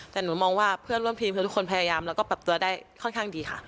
แต่หนูมองว่าเพื่อนร่วมทีมทุกคนพยายามแล้วก็ปรับตัวได้ค่อนข้างดีค่ะ